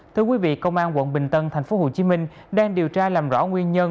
thưa quý vị công an quận bình tân tp hcm đang điều tra làm rõ nguyên nhân